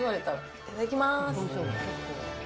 いただきます。